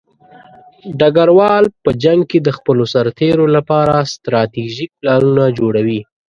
ډګروال په جنګ کې د خپلو سرتېرو لپاره ستراتیژیک پلانونه جوړوي.